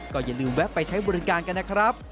ก็อย่าลืมแวะไปใช้บริการกันนะครับ